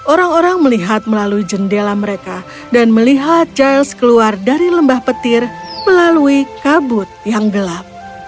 orang orang melihat melalui jendela mereka dan melihat giles keluar dari lembah petir melalui kabut yang gelap